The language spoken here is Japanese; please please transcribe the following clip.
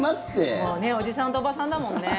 もうねおじさんとおばさんだもんね。